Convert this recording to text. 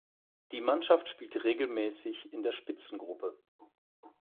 Die Mannschaft spielte regelmäßig in der Spitzengruppe.